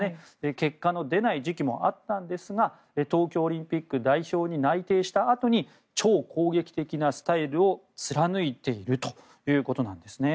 結果の出ない時期もあったんですが東京オリンピック代表に内定したあとに超攻撃的なスタイルを貫いているということなんですね。